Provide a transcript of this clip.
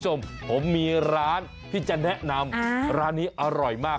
คุณผู้ชมผมมีร้านที่จะแนะนำร้านนี้อร่อยมาก